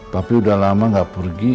tapi udah lama gak pergi